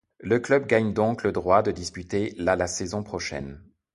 Le club gagne donc le droit de disputer la la saison prochaine.